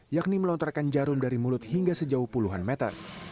yakni melontarkan jarum dari mulut hingga sejauh puluhan meter